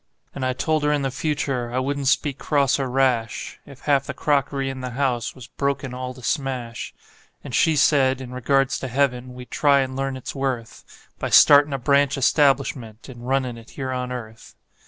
And I told her in the future I wouldn't speak cross or rash If half the crockery in the house was broken all to smash; And she said, in regards to heaven, we'd try and learn its worth By startin' a branch establishment and runnin' it here on earth.